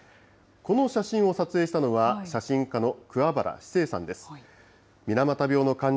この写真を撮影したのは、写真家の桑原史成さんです。